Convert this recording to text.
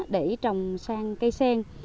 để trồng sang cây sen